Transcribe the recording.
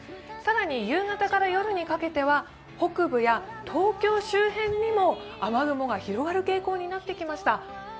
更に夕方から夜にかけては北部や東京周辺にも雨雲が広がる傾向になってきました。